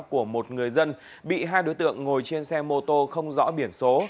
của một người dân bị hai đối tượng ngồi trên xe mô tô không rõ biển số